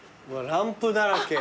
ランプだらけ。